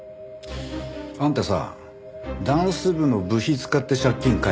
あんたさダンス部の部費使って借金返したんでしょ？